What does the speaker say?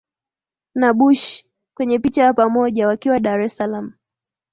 na Bush kwenye picha ya pamoja wakiwa Dar es salaam